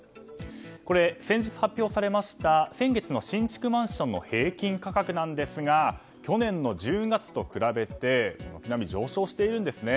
これは先日発表されました先月の新築マンションの平均価格なんですが去年の１０月と比べて軒並み上昇しているんですね。